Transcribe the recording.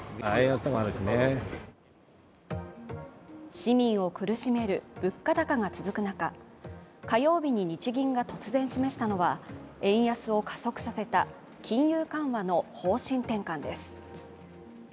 市民を苦しめる物価高が続く中、火曜日に日銀が突然示したのは円安を加速させた金融緩和の方針転換です。